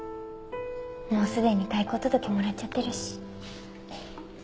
もうすでに退校届もらっちゃってるし。